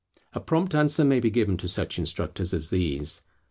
A prompt answer may be given to such instructors as these.